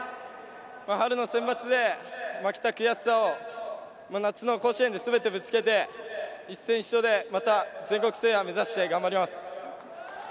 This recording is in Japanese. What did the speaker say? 春のセンバツで負けた悔しさを夏の甲子園ですべてぶつけて一戦必勝で全国制覇を目指して頑張ります。